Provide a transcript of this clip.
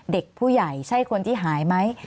เด็กผู้ใหญ่ใช่คนที่หายไหม